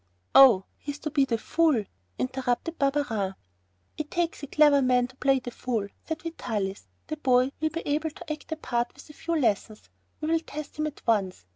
"Oh, he's to be the fool...." interrupted Barberin. "It takes a clever man to play the fool," said Vitalis, "the boy will be able to act the part with a few lessons. We'll test him at once.